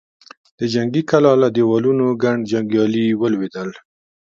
د جنګي کلا له دېوالونو ګڼ جنګيالي ولوېدل.